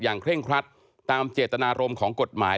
เคร่งครัดตามเจตนารมณ์ของกฎหมาย